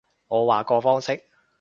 我話個方式